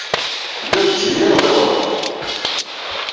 Tellid tettjeyyired iɣerban.